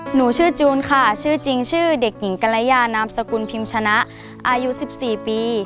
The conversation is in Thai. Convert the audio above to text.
หนูชื่อจูนค่ะชื่อจริงชื่อเด็กหญิงกรยานามสกุลพิมชนะอายุ๑๔ปี